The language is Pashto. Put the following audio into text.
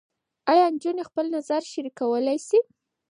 ایا نجونې خپل نظر شریکولی شي؟